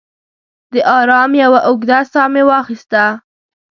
د ارام یوه اوږده ساه مې واخیسته.